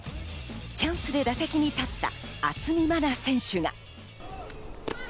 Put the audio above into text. チャンスで打席に立った渥美万奈選手が。